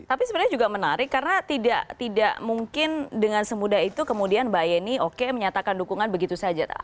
tapi sebenarnya juga menarik karena tidak mungkin dengan semudah itu kemudian mbak yeni oke menyatakan dukungan begitu saja